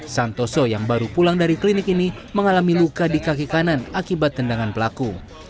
santoso yang baru pulang dari klinik ini mengalami luka di kaki kanan akibat tendangan pelaku